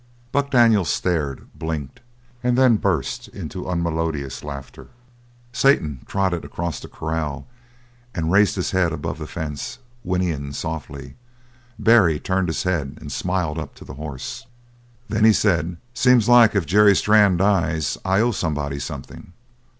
Buck Daniels stared, blinked, and then burst into unmelodious laughter. Satan trotted across the corral and raised his head above the fence, whinnying softly. Barry turned his head and smiled up to the horse. Then he said: "Seems like if Jerry Strann dies I owe somebody something.